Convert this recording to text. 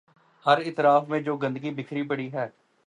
ہر اطراف میں جو گندگی بکھری پڑی ہے۔